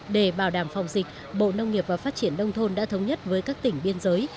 để bảo đảm phòng dịch bộ nông nghiệp và phát triển đông thôn đã thống nhất với các tỉnh biên giới